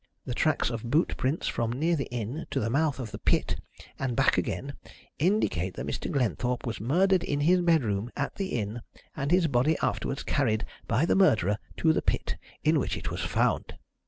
The tracks of boot prints from near the inn to the mouth of the pit, and back again, indicate that Mr. Glenthorpe was murdered in his bedroom at the inn, and his body afterwards carried by the murderer to the pit in which it was found."